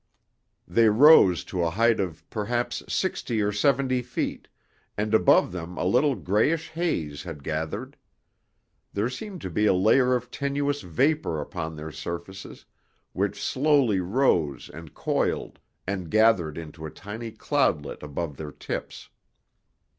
They rose to a height of perhaps sixty or seventy feet, and above them a little grayish haze had gathered. There seemed to be a layer of tenuous vapor upon their surfaces, which slowly rose and coiled, and gathered into a tiny cloudlet above their tips.